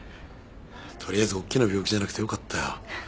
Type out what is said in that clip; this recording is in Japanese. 取りあえずおっきな病気じゃなくてよかったよ。